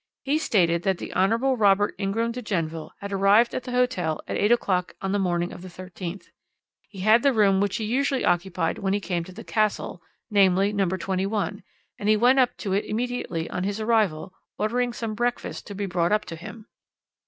He stated that the Hon. Robert Ingram de Genneville had arrived at the hotel at eight o'clock on the morning of the 13th; he had the room which he usually occupied when he came to the 'Castle,' namely, No. 21, and he went up to it immediately on his arrival, ordering some breakfast to be brought up to him.